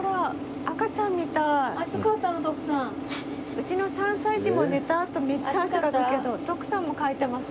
うちの３歳児も寝たあとめっちゃ汗かくけど徳さんもかいてますよ。